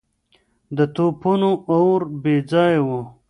د توپونو اور بې ځایه و.